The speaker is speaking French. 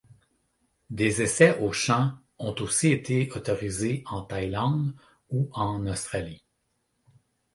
Des essais au champ ont aussi été autorisés en Thaïlande ou en Australie.